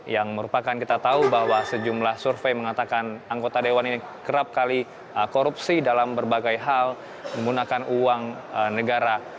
yang merupakan kita tahu bahwa sejumlah survei mengatakan anggota dewan ini kerap kali korupsi dalam berbagai hal menggunakan uang negara